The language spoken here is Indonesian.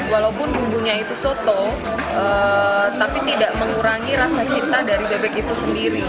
walaupun bumbunya itu soto tapi tidak mengurangi rasa cinta dari bebek itu sendiri